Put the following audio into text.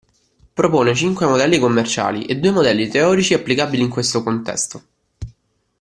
Propone cinque modelli commerciali e due modelli teorici applicabili in questo contesto.